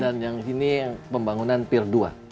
dan yang ini pembangunan pir dua